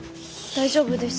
大丈夫です。